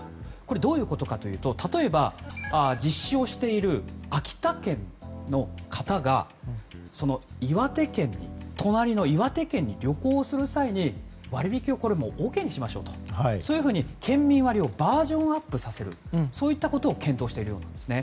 どういうことかというと例えば、実施をしている秋田県の方が岩手県に旅行する際に割引をＯＫにしましょうというふうに、県民割をバージョンアップさせるそういったことを検討しているようなんですね。